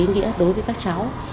ý nghĩa đối với các cháu